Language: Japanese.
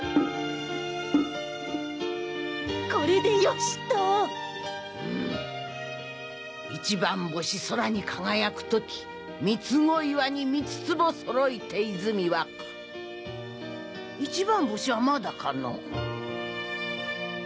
これでよしとんん一番星空に輝く時みつご岩にみつつぼそろいて泉湧く一番星はまだかの？